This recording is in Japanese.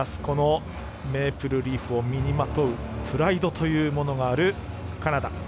このメープルリーフを身にまとうプライドというものがあるカナダ。